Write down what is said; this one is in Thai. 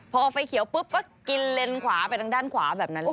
พอไฟเขียวปุ๊บก็กินเลนขวาไปทางด้านขวาแบบนั้นเลย